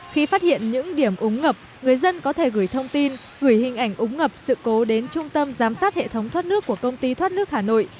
khi phát hiện những điểm ống ngập người dân có thể gửi thông tin gửi hình ảnh ống ngập sự cố đến trung tâm giám sát hệ thống thoát nước của công ty thoát nước hà nội